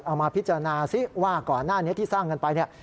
เอามาพิจารณาซิว่าก่อนหน้านี้ที่สร้างกันไปเนี่ย